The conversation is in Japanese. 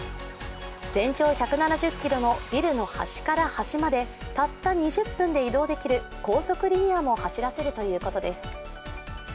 全長１７０ｋｍのビルの端から端までたった２０分で移動できる高速リニアも走らせるということです。